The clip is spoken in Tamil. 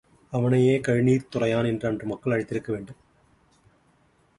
அவனையே கழுநீர்த் துறையான் என்று அன்று மக்கள் அழைத்திருக்க வேண்டும்.